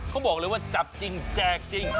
เขาบอกเลยว่าจับจริงแจกจริง